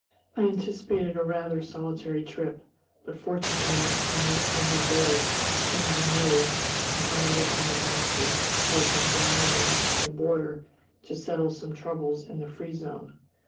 I anticipated a rather solitary trip; but, fortunately, I met General Baird, whom I knew, and some other army officers, who had been down on the Mexican border to settle some troubles in the "free zone."